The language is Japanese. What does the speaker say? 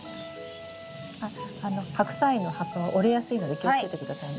あっハクサイの葉っぱは折れやすいので気をつけて下さいね。